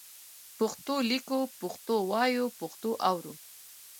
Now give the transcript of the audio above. پښتو لیکو، پښتو وایو، پښتو اورو.